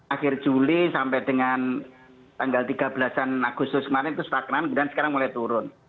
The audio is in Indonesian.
akhir juli sampai dengan tanggal tiga belas agustus kemarin itu stagnan kemudian sekarang mulai turun